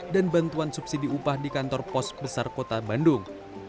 dan bantuan subsidi upah di kantor pos besar kota bandung